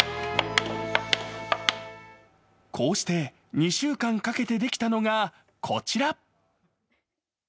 こうして２週間かけてできたのが、こちら。